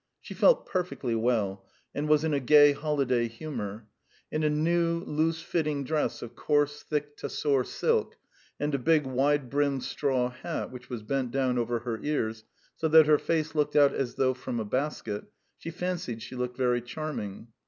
She felt perfectly well, and was in a gay holiday humour. In a new loose fitting dress of coarse thick tussore silk, and a big wide brimmed straw hat which was bent down over her ears, so that her face looked out as though from a basket, she fancied she looked very charming.